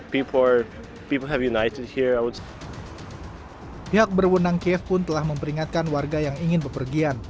pihak berwenang kiev pun telah memperingatkan warga yang ingin bepergian